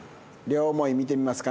両思い。